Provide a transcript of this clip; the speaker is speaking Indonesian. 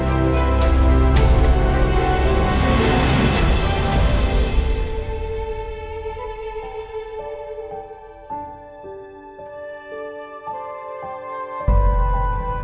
alhamdulillah bayinya selamat